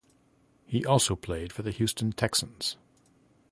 He also played for the Houston Texans.